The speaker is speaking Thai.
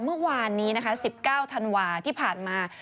เมื่อวานนี้๑๙ธันวาคมที่ผ่านมา